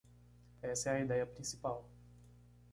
Essa é a ideia principal.